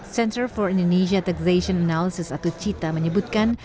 center for indonesia taxation analysis atau cita menyebutkan